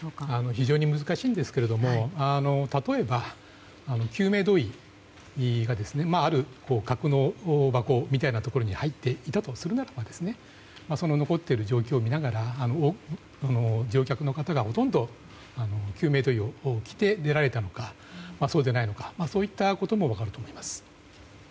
非常に難しいんですが例えば、救命胴衣がある格納箱みたいなものに入っていたとすればその残っている状況を見ながら乗客の方がほとんど、救命胴衣を着て出られたのかそうでないのかそういったことも分かると思います。